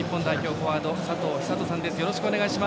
フォワード佐藤寿人さんです。